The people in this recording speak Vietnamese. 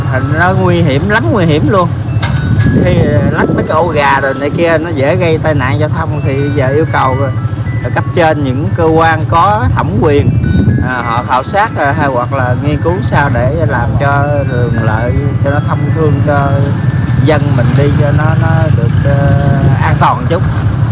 hoặc là nghiên cứu sao để làm cho đường lại cho nó thông thương cho dân mình đi cho nó được an toàn chút